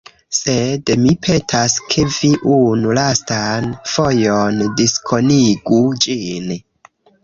Sed, mi petas, ke vi unu lastan fojon diskonigu ĝin